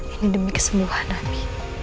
ini demi kesembuhan abi